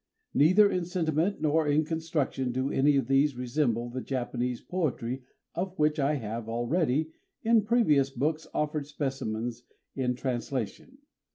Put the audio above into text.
Neither in sentiment nor in construction do any of these resemble the Japanese poetry of which I have already, in previous books, offered specimens in translation.